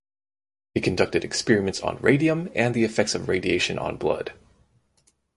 He conducted experiments on radium and the effects of radiation on blood.